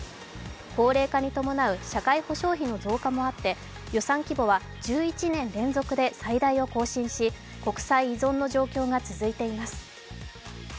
高齢化に伴う社会保障費の増加もあって予算規模は１１年連続で最大を更新し国債依存の状況が続いています。